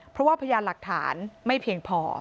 เพราะว่าพยานหลักฐานไม่เพียงพอ